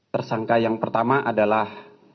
tersangka yang pertama adalah